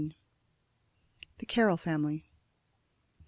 THE CARROLL FAMILY.